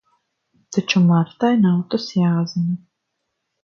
Taču Martai nav tas jāzina.